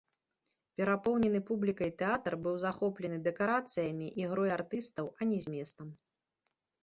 Перапоўнены публікай тэатр быў захоплены дэкарацыямі, ігрой артыстаў, а не зместам.